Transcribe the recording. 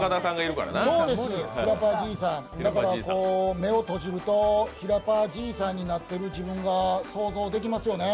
だから、目を閉じるとひらパーじいさんになってる自分が想像できますよね。